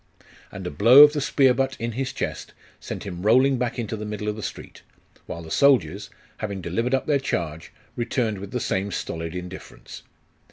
And a blow of the spear butt in his chest sent him rolling back into the middle of the street, while the soldiers, having delivered up their charge, returned with the same stolid indifference.